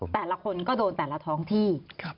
แต่ละคนก็โดนแต่ละท้องที่